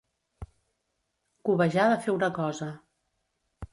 Cobejar de fer una cosa.